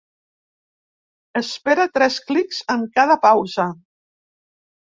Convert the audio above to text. Espera tres clics en cada pausa.